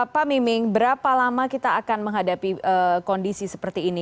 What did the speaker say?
pak miming berapa lama kita akan menghadapi kondisi seperti ini